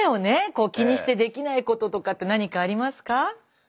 こう気にしてできないこととかって何かありますか？